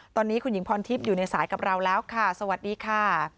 ตอนนี้คุณหญิงพรทิพย์อยู่ในสายกับเราแล้วค่ะสวัสดีค่ะ